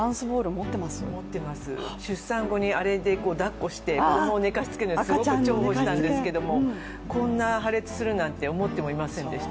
持ってます、出産後にあれでだっこして子供を寝かしつけるのにすごく重宝したんですけれどもこんな破裂するなんて、思ってもいませんでした。